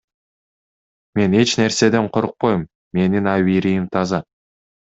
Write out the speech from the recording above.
Мен эч нерседен коркпойм, менин абийирим таза.